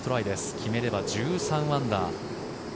決めれば１３アンダー。